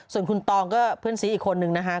ส่วนคุณตองก็เพื่อนซีอีกคนนึงนะคะ